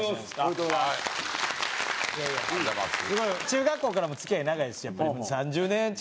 中学校からもう付き合い長いしやっぱり３０年近い。